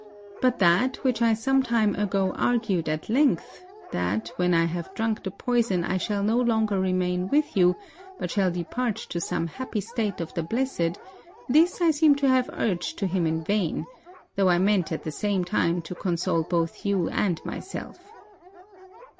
But that which I some time ago argued at length, that when I have drunk the poison I shall no longer remain with you, but shall depart to some happy state of the blessed, this I seem to have urged to him in vain, though I meant at the same time to console both you and myself.